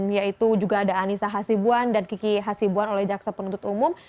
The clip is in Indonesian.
yaitu juga ada anissa hasibuan dan kiki hasibuan oleh jaksa penuntut umum